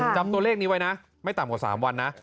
จำตัวเลขนี้ไว้นะไม่ต่ำกว่า๓วันนะ